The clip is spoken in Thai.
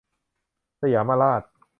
สยามราช